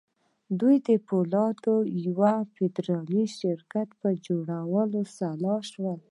دوی د پولادو د یوه فدرالي شرکت پر جوړولو سلا شول